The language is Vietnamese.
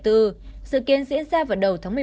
dự kiến diễn ra vào đầu tháng một mươi một